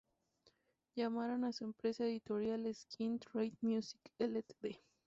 Llamaron a su empresa editorial Skin Trade Music Ltd.